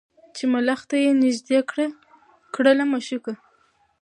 چي ملخ ته یې نیژدې کړله مشوکه